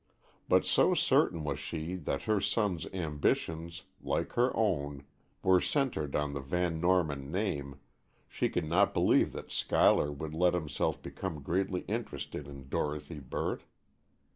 But so certain was she that her son's ambitions, like her own, were centred on the Van Norman name, she could not believe that Schuyler would let himself become greatly interested in Dorothy Burt.